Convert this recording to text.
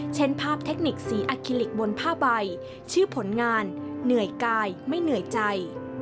เช่นภาพเทคนิคสีอคิลิกบนผ้าใบชื่อผลงานเหนื่อยกายไม่เหนื่อยใจ